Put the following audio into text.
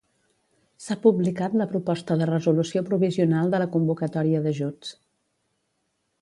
S'ha publicat la proposta de resolució provisional de la convocatòria d'ajuts.